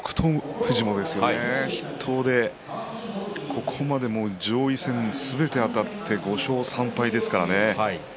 富士も筆頭でここまで上位戦すべてあたって５勝３敗ですからね。